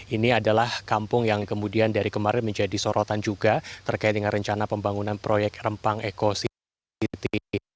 ini adalah kampung yang kemudian dari kemarin menjadi sorotan juga terkait dengan rencana pembangunan proyek rempang eco city